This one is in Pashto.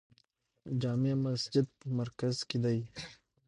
جامع مسجد مرکز کې دی